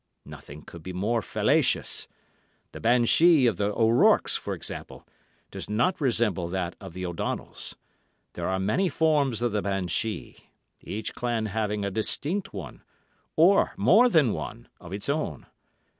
Nothing could be more fallacious. The banshee of the O'Rourkes, for example, does not resemble that of the O'Donnells; there are many forms of the banshee, each clan having a distinct one—or more than one—of its own.